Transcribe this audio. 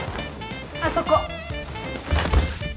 あそこ